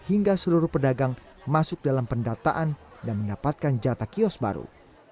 hingga seluruh pedagang masuk dalam pendataan dan mendapatkan jatah kios baru